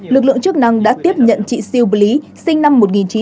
lực lượng chức năng đã tiếp nhận chị siêu bí sinh năm một nghìn chín trăm chín mươi ba